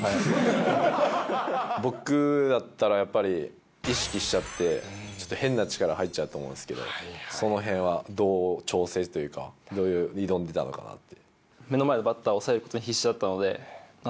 僕だったらやっぱり意識しちゃってちょっと変な力入っちゃうと思うんですけどそのへんはどう調整というかどう挑んでたのかなって。